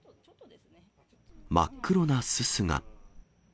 真っ黒なすすが。